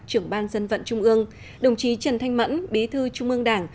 trưởng ban dân vận trung ương đồng chí trần thanh mẫn bí thư trung ương đảng